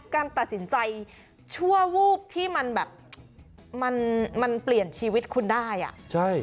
การตัดสินใจชั่ววูบที่มันแบบมันมันเปลี่ยนชีวิตคุณได้อ่ะใช่